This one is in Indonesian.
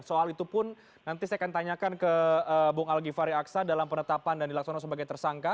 soal itu pun nanti saya akan tanyakan ke bung al ghifari aksa dalam penetapan dan dilaksanakan sebagai tersangka